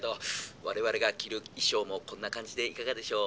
我々が着る衣装もこんな感じでいかがでしょう？